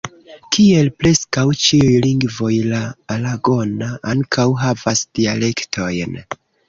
Kiel preskaŭ ĉiuj lingvoj, la aragona ankaŭ havas dialektojn.